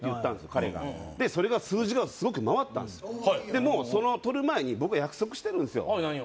彼がでそれが数字がすごく回ったんですでもう撮る前に僕約束してるんすよ何を？